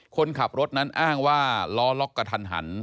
คนขับรถนั้นอ้างว่าล้อล็อกกระทันหัน